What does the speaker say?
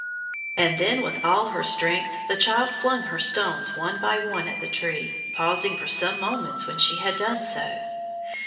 And then with all her strength the child flung her stones one by one at the tree, pausing for some moments when she had done so.